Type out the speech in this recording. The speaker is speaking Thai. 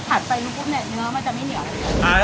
ขอบคุณครับ